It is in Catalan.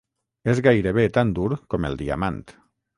És gairebé tan dur com el diamant.